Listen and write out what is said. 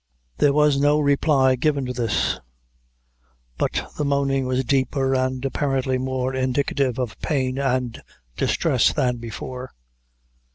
There was no reply given to this; but the moaning was deeper, and apparently more indicative of pain and distress than before.